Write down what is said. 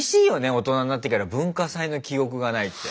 大人になってから文化祭の記憶がないって。